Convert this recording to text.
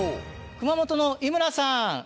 熊本の井村さん。